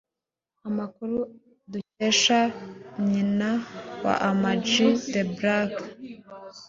Amakuru dukesha nyina wa Ama G The Black